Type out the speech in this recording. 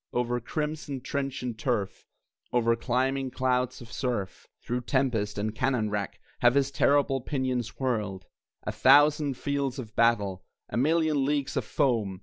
Over crimson trench and turf, Over climbing clouds of surf, Through tempest and cannon wrack, Have his terrible pinions whirled (A thousand fields of battle! A million leagues of foam!)